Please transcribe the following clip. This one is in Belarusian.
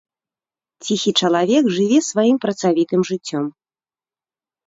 Ціхі чалавек жыве сваім працавітым жыццём.